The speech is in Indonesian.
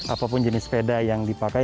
apapun jenis sepeda yang dipakai